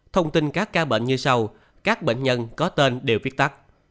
thông tin các ca bệnh như sau các bệnh nhân có tên đều viết tắt